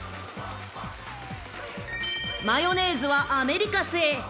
［マヨネーズはアメリカ製］